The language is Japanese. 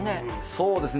そうですね。